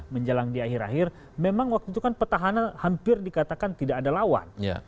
menjelang di akhir akhir memang waktu itu kan petahana hampir dikatakan tidak ada lawan